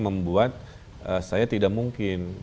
membuat saya tidak mungkin